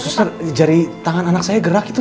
terus jari tangan anak saya gerak gitu